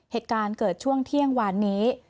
เหตุการณ์เกิดช่วงเที่ยงวานนี้